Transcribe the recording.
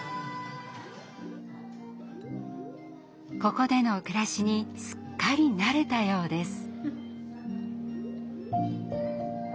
ここでの暮らしにすっかり慣れたようです。